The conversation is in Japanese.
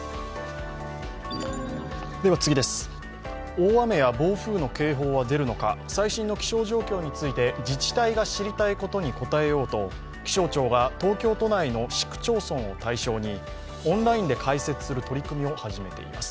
大雨や暴風雨の警報は出るのか最新の気象状況について自治体が知りたいことに答えようと気象庁が東京都内の市区町村を対象にオンラインで解説する取り組みを始めています